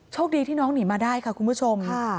โชคดีที่น้องหนีมาได้ค่ะคุณผู้ชม